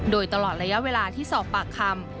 โดยตลอดระยะเวลาที่สอบปากคำ